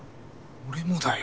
俺もだよ。